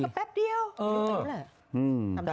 ก็แป๊บเดียวอยู่เต็มแหละ